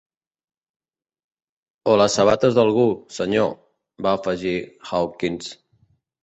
"O les sabates d'algú, senyor", va afegir Hawkins.